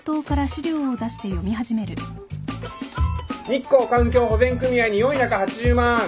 「日光環境保全組合に４８０万」